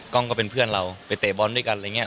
ก้องก็เป็นเพื่อนเราไปเตะบอลด้วยกันอะไรเงี้ย